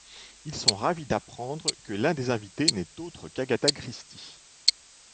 Ils sont ravis d’apprendre que l'un des invités n’est autre qu’Agatha Christie.